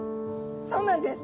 そうなんです。